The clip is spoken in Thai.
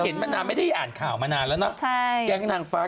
ไม่เห็นมานานเมื่อจะอ่านข่าวมานานแล้วน่ะ